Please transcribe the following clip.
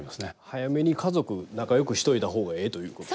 早めに家族仲よくしといた方がええということですね。